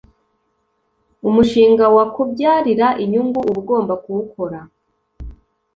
umushinga wakubyarira inyungu uba ugomba kuwukora